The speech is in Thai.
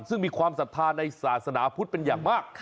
ซึ่งมีความศรัทธาในศาสนาพุทธเป็นอย่างมาก